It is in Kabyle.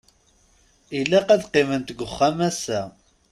Ilaq ad qqiment g uxxam ass-a?